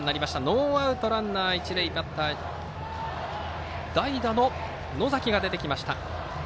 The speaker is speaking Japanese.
ノーアウトランナー、一塁バッターは代打の野崎が出てきました。